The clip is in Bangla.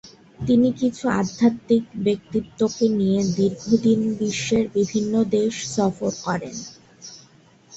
তিনি কিছু আধ্যাত্মিক ব্যক্তিত্বকে নিয়ে দীর্ঘ দিন বিশ্বের বিভিন্ন দেশ সফর করেন।